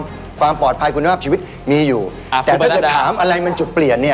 ปกประสิทธิ์ความปลอดภัยคุณภาพชีวิตมีอยู่อ่าแต่ถ้าเกิดถามอะไรมันจุดเปลี่ยนเนี้ย